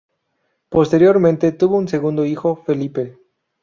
Posteriormente tuvo su segundo hijo, Felipe.